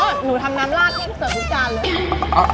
อ้าวหนูทำน้ำราดนี่ไม่เสิร์ฟทุกจานเลย